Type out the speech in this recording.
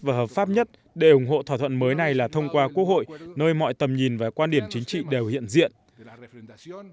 và hợp pháp nhất để ủng hộ thỏa thuận mới này là thông qua quốc hội nơi mọi tầm nhìn và quan điểm chính trị đều hiện diện